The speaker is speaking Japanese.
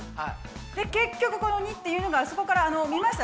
で結局この②っていうのがあそこから見ました？